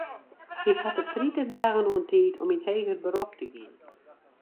Hy hat it tritich dagen oan tiid om yn heger berop te gean.